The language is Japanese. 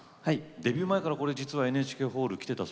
デビュー前から実はＮＨＫホール来てたそうですね。